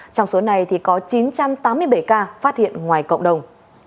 trong số này có chín trăm tám mươi bảy ca phát hiện ngoài cộng đồng